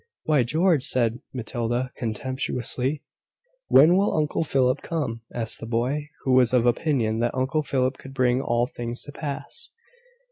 "Why, George!" said Matilda, contemptuously. "When will Uncle Philip come?" asked the boy, who was of opinion that Uncle Philip could bring all things to pass.